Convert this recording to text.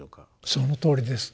そのとおりです。